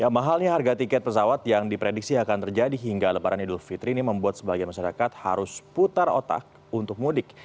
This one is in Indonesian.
mahalnya harga tiket pesawat yang diprediksi akan terjadi hingga lebaran idul fitri ini membuat sebagian masyarakat harus putar otak untuk mudik